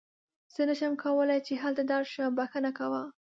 زه نن نشم کولی چې هلته درشم، بښنه کوه.